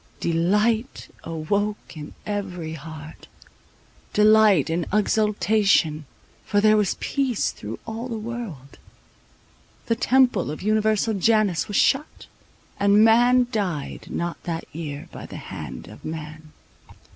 Delight awoke in every heart, delight and exultation; for there was peace through all the world; the temple of Universal Janus was shut, and man died not that year by the hand of man.